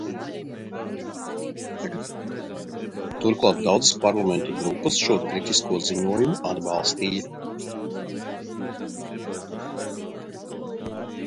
Turklāt daudzas Parlamenta grupas šo kritisko ziņojumu atbalstīja.